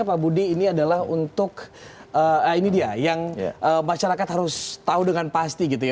pak budi ini adalah untuk ini dia yang masyarakat harus tahu dengan pasti gitu ya